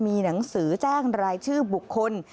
มีหนังสือแจ้งรายชื่อบุคคล